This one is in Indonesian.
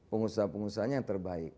pengusaha pengusaha yang terbaik